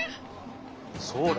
そうだ。